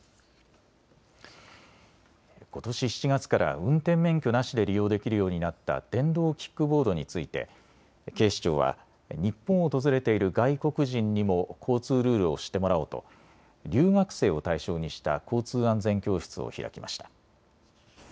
ことし７月から運転免許なしで利用できるようになった電動キックボードについて警視庁は日本を訪れている外国人にも交通ルールを知ってもらおうと留学生を対象にした交通安全教室を開きました。